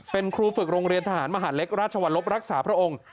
เป็นครูฝึกโรงเรียนทหารมหาเล็กราชวรลบรักษาพระองค์